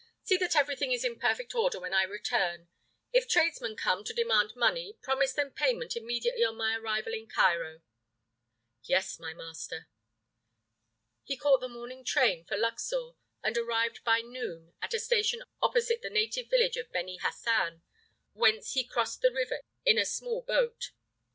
"See that everything is in perfect order when I return. If tradesmen come to demand money, promise them payment immediately on my arrival in Cairo." "Yes, my master." He caught the morning train for Luxor and arrived by noon at a station opposite the native village of Beni Hassan, whence he crossed the river in a small boat.